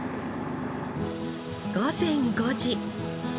午前５時。